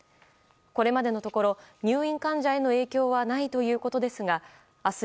これまでのところ、入院患者への影響はないということですが明日